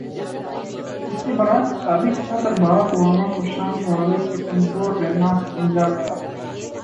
اس کے برعکس، سابق صدر بارک اوباما کو شام کے حوالے سے کمزور رہنما سمجھا گیا تھا۔